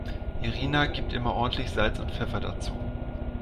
Irina gibt immer ordentlich Salz und Pfeffer dazu.